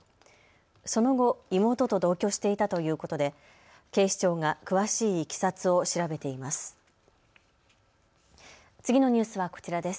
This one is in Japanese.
その後、妹と同居していたということで警視庁が詳しいいきさつを調べています。